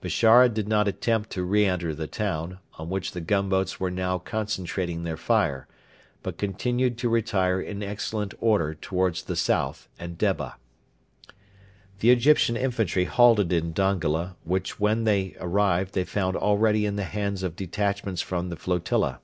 Bishara did not attempt to re enter the town, on which the gunboats were now concentrating their fire, but continued to retire in excellent order towards the south and Debba. The Egyptian infantry halted in Dongola, which when they arrived they found already in the hands of detachments from the flotilla.